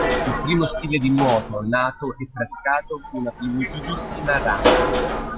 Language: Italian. Il primo stile di nuoto nato e praticato fu una primitivissima rana.